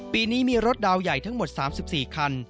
ปีนี้มีรถดาวใหญ่ทั้งหมด๓๔คัน